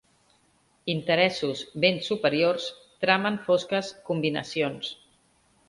Interessos ben superiors tramen fosques combinacions.